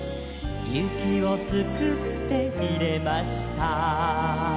「雪をすくって入れました」